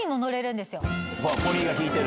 ポニーが引いてる？